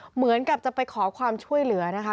เหมือนกับจะไปขอความช่วยเหลือนะคะ